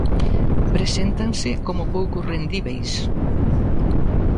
Preséntanse como pouco rendíbeis.